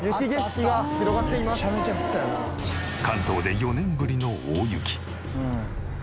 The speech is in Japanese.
関東で４年ぶりの大雪。